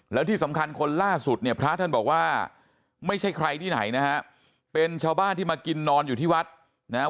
แล้วที่สำคัญคนล่าสุดเนี่ยพระท่านบอกว่าไม่ใช่ใครที่ไหนนะฮะเป็นชาวบ้านที่มากินนอนอยู่ที่วัดนะฮะ